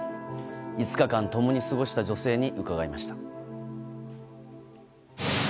５日間、共に過ごした女性に伺いました。